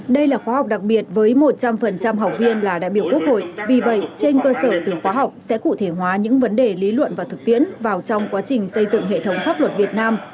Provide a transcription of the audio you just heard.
đây là khóa học đặc biệt với một trăm linh học viên là đại biểu quốc hội vì vậy trên cơ sở từ khóa học sẽ cụ thể hóa những vấn đề lý luận và thực tiễn vào trong quá trình xây dựng hệ thống pháp luật việt nam